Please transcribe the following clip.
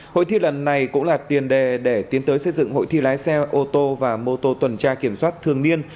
hội thi lần này cũng là tiền đề để tiến tới xây dựng hội thi lái xe ô tô và mô tô tuần tra kiểm soát thường niên